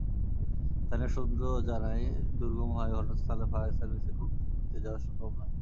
স্থানীয় সূত্র জানায়, দুর্গম হওয়ায় ঘটনাস্থলে ফায়ার সার্ভিসের কর্মীদের যাওয়া সম্ভব নয়।